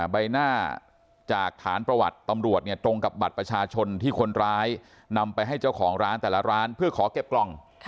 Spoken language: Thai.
ใบหน้าจากฐานประวัติตำรวจเนี่ยตรงกับบัตรประชาชนที่คนร้ายนำไปให้เจ้าของร้านแต่ละร้านเพื่อขอเก็บกล่อง